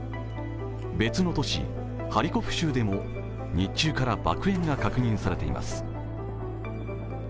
別の都市、ハリコフ州でも日中から爆煙が確認されています。